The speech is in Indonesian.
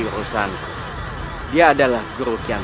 bersama para pasukan